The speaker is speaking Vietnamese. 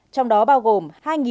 trong đó bao gồm